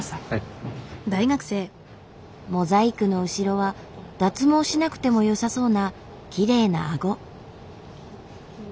モザイクの後ろは脱毛しなくてもよさそうなきれいなアゴ。